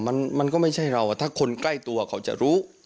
มันมันก็ไม่ใช่เราถ้าคนใกล้ตัวเขาจะรู้